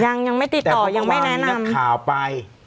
ยังยังไม่ติดต่อยังไม่แนะนำแต่ว่าวันนี้นักข่าวไป